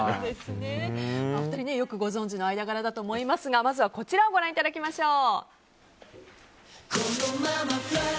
お二人、よくご存じの間柄だと思いますがまずはこちらをご覧いただきましょう。